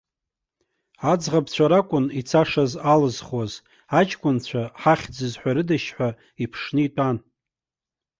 Аӡӷабцәа ракәын ицашаз алзхуаз, аҷкәынцәа, ҳахьӡ зҳәарыдашь ҳәа иԥшны итәан.